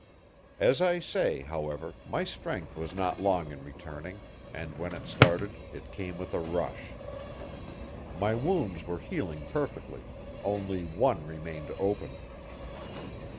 As I say, however, my strength was not long in returning, and when it started it came with a rush. My wounds were healing perfectly; only one remained open.